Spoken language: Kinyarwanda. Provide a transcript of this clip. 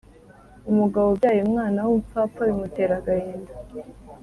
Umugabo ubyaye umwana w’umupfapfa bimutera agahinda